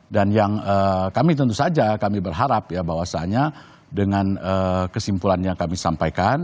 dan yang kami tentu saja kami berharap ya bahwasanya dengan kesimpulan yang kami sampaikan